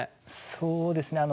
そうですね